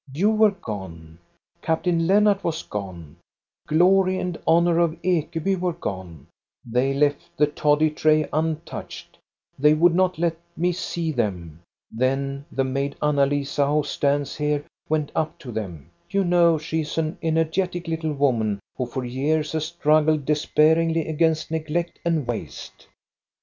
You were gone ; Captain Lennart was gone. The glory and honor of Ekeby were gone. They left the toddy tray untouched; 29 4SO THE STORY OF GOSTA BERLING they would not let tne see them. Then the maid, Anna Lisa, who stands here, went up to them. You know she is an energetic little woman who for years has struggled despairingly against neglect and waste.